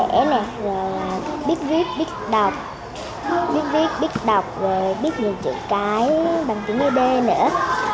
rồi là biết viết biết đọc biết viết biết đọc rồi biết nhiều chữ cái bằng tiếng ế đê nữa